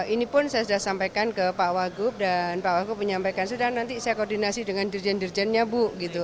ini pun saya sudah sampaikan ke pak wagub dan pak wagub menyampaikan sudah nanti saya koordinasi dengan dirjen dirjennya bu